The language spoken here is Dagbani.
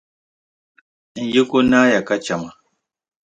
N yiko naai ya ka chε ma.